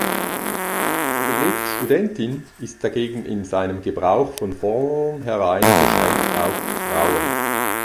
Der Begriff "Studentin" ist dagegen in seinem Gebrauch von vornherein beschränkt auf Frauen.